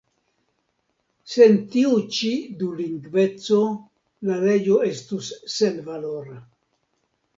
Sen tiu ĉi dulingveco la leĝo estus senvalora.